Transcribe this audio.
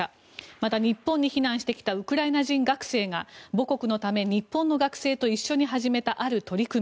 また、日本に避難してきたウクライナ人学生が母国のため日本の学生と一緒に始めたある取り組み。